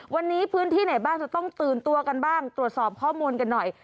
วันนี้พื้นที่ไหนบ้างจะต้องตื่นตัวกันบ้างตรวจสอบข้อมูลกันหน่อย